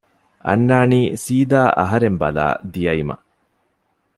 އަންނާނީ ސީދާ އަހަރެން ބަލާ ދިޔައިމަ